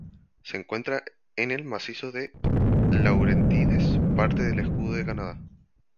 Se encuentra en el macizo de Laurentides, parte del Escudo de Canadá.